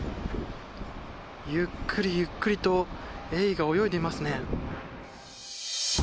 ゆっくりゆっくりとエイが泳いでいますね。